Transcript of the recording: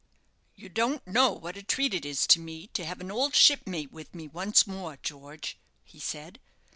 "You don't know what a treat it is to me to have an old shipmate with me once more, George," he said.